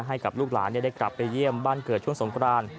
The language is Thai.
ให้กับลูกหลานได้กลับไปเยี่ยมบ้านเกิดช่วงสงคราน